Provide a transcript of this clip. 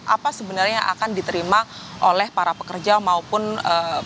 apa sebenarnya yang akan diterima oleh para pekerja maupun pemerintah